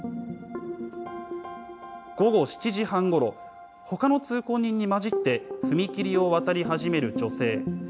午後７時半ごろ、ほかの通行人に交じって、踏切を渡り始める女性。